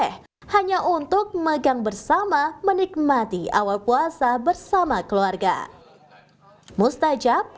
hanya untuk megang bersama menikmati awal puasa bersama keluarga